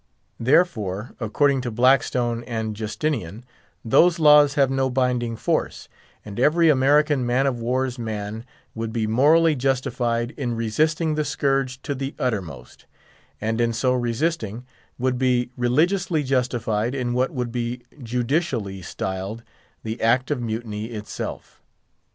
Therefore, according to Blackstone and Justinian, those laws have no binding force; and every American man of war's man would be morally justified in resisting the scourge to the uttermost; and, in so resisting, would be religiously justified in what would be judicially styled "the act of mutiny" itself.